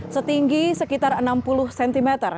setinggi sekitar enam puluh cm